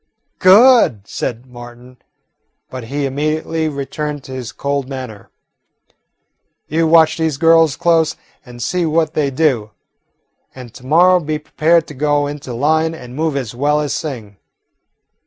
"Good!" said Martin, but he immediately returned to his cold manner. "You watch these girls close and see what they do, and to morrow be prepared to go into line and move as well as sing."